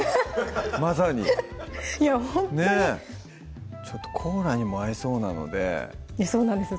まさにいやほんとにコーラにも合いそうなのでそうなんですよ